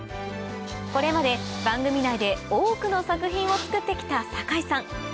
これまで番組内で多くの作品を作って来た酒井さん